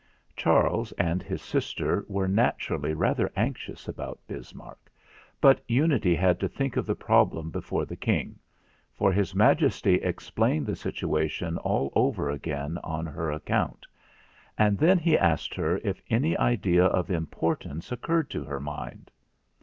Charles and his sister were natur ally rather anxious about Bismarck; but Unity had to think of the problem before the King; for His Majesty explained the situa tion all over again on her account; and then he asked her if any idea of importance occurred to her mind.